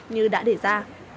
như đã đề ra